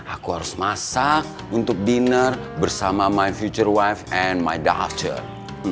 aku harus masak untuk dinner bersama my future wife and my daughter